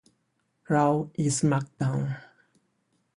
Raw y SmackDown!